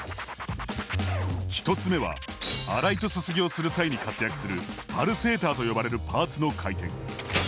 １つ目は洗いとすすぎをする際に活躍するパルセーターと呼ばれるパーツの回転。